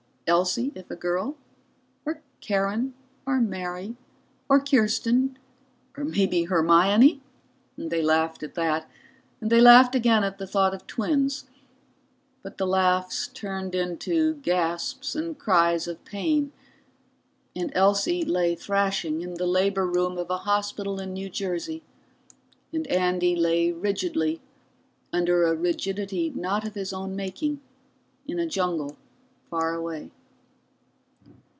Elsie if a girl? Or Karen, or Mary, or Kirsten, or maybe Hermione? They laughed at that, and they laughed again at the thought of twins. But the laughs turned into gasps and cries of pain. And Elsie lay thrashing in the labor room of a hospital in New Jersey, and Andy lay rigidly under a rigidity not of his own making in a jungle far away.